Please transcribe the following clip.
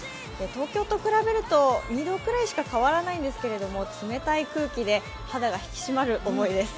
東京と比べると２度くらいしか変わらないんですけれども、冷たい空気で肌が引き締まる思いです。